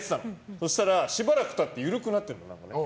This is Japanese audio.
そうしたら、しばらく経って緩くなってんの。